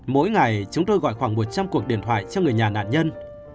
mỗi ngày chúng tôi gọi khoảng một trăm linh cuộc điện thoại cho người nhà nạn nhân